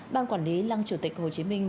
ban quản lý lăng chủ tịch hồ chí minh